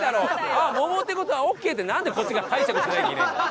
「ああ桃って事はオッケー」ってなんでこっちが解釈しなきゃいけないんだよ。